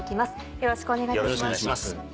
よろしくお願いします。